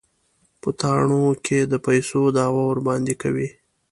په تاڼو کې د پيسو دعوه ورباندې کوي.